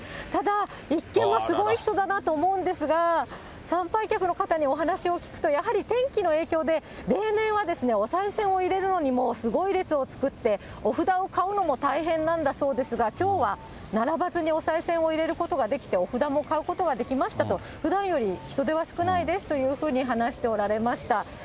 ただ、一見はすごい人だなと思うんですが、参拝客の方にお話を聞くと、やはり天気の影響で、例年はおさい銭を入れるのにももうすごい列を作って、お札を買うのも大変なんだそうですが、きょうは並ばずにおさい銭を入れることができて、お札も買うことができましたと、ふだんより人出は少ないですというふうに話しておられました。